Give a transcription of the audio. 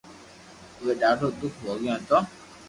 اووي ڌاڌو دوک ڀوگيو ھتو